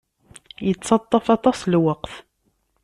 Yettaṭṭaf aṭas n lweqt.